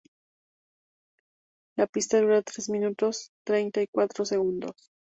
La pista dura tres minutos treinta y cuatro segundos.